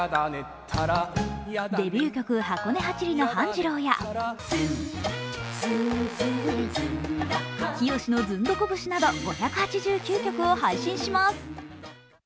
デビュー曲「箱根八里の半次郎」や「きよしのズンドコ節」など５８９曲を配信します。